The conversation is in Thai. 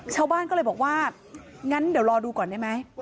ชาวบ้านก็เลยบอกว่างั้นเดี๋ยวรอดูก่อนได้ไหม